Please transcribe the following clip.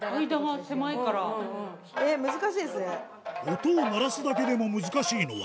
音を鳴らすだけでも難しいのは